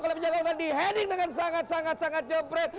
kalau menjaga orang di heading dengan sangat sangat jebret